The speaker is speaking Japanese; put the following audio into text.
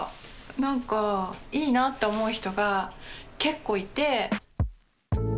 なんかいいなって思う人が結構いて。